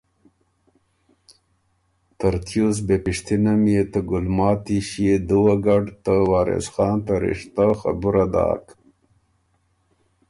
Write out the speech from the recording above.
ترتیوس بې پِشتِنه ميې ته ګلماتی ݭيې دُوّه ګډ ته وارث خان ته رِشتۀ خبُره داک۔